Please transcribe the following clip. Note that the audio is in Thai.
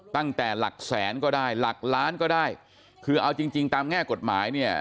ตั้งแต่หลักแสนก็ได้หลักล้านก็ได้คือเอาจริงจริงตามแง่กฎหมายเนี่ย